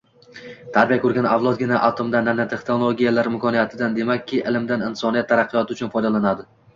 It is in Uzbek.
Tarbiya ko‘rgan avlodgina atomdan, nanotexnologiyalar imkoniyatidan, demakki, ilmdan insoniyat taraqqiyoti uchun foydalanadi